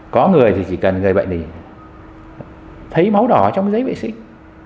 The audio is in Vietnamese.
có người thì chỉ cần người bệnh thì thấy máu đỏ ở trong giấy vệ sinh